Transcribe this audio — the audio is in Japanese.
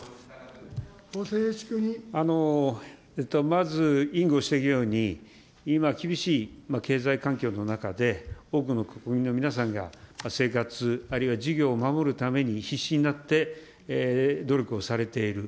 まず、委員ご指摘のように、今、厳しい経済環境の中で、多くの国民の皆さんが生活、あるいは事業を守るために必死になって努力をされている。